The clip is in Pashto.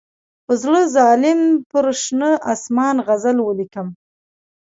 په زړه ظالم پر شنه آسمان غزل ولیکم.